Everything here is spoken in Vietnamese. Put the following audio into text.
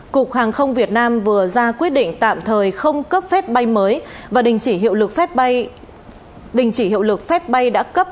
cục hàng không việt nam vừa ra quyết định tạm thời không cấp phép bay mới và đình chỉ hiệu lực phép bay đã cấp